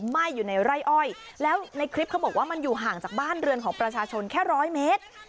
ไหม้อยู่ในไร่อ้อยแล้วในคลิปเขาบอกว่ามันอยู่ห่างจากบ้านเรือนของประชาชนแค่ร้อยเมตร